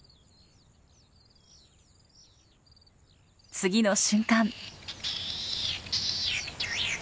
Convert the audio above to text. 次の瞬間。